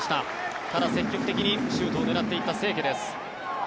ただ、積極的にシュートを狙っていった清家です。